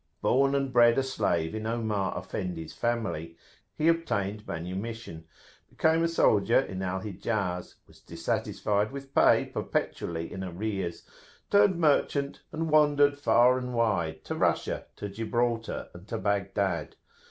Born and bred a slave in Omar Effendi's family, he obtained manumission, became a soldier in Al Hijaz, was dissatisfied with pay perpetually in arrears, turned merchant, and wandered far and wide, to Russia, to Gibraltar, and to Baghdad.